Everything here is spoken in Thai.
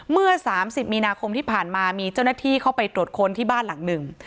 เมื่อ๓๐มีนาคมที่ผ่านมามีเจ้าหน้าที่เข้าไปตรวจค้นที่บ้านหลังหนึ่ง